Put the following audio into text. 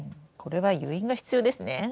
これは誘引が必要ですね。